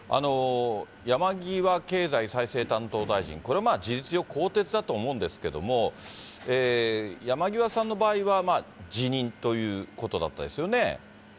山際経済再生担当大臣、これもまあ、事実上、更迭だと思うんですけども、山際さんの場合は辞任ということだったですよね。